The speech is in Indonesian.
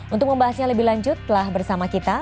untuk membahasnya lebih lanjut telah bersama kita